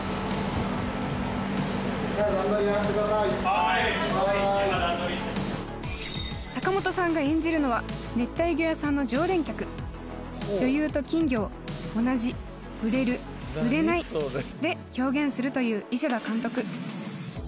・はいはい坂本さんが演じるのは熱帯魚屋さんの常連客女優と金魚を同じ「売れる」「売れない」で表現するという伊勢田監督